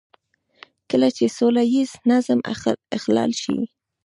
کله چې سوله ييز نظم اخلال شي.